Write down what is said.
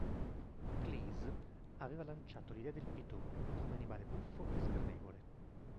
Cleese aveva lanciato l'idea del pitone, come animale buffo e sgradevole.